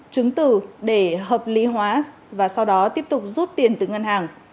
chứng tử để hợp lý hóa và sau đó tiếp tục rút tiền từ ngân hàng